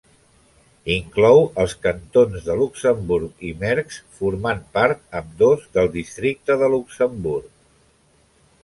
Inclou els cantons de Luxemburg i Mersch, formant part ambdós del Districte de Luxemburg.